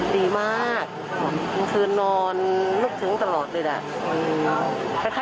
ดีมากคืนนอนลุกถึงตลอดเลยแหละ